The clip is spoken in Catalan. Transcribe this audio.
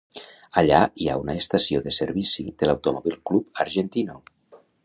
Allà hi ha una estació de servici de l'Automóvil Club Argentino.